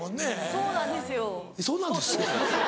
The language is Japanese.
そうなんですよ。